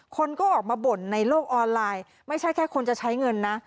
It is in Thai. คนก็ออกมาบ่นในโลกออนไลน์ไม่ใช่แค่คนจะใช้เงินนะ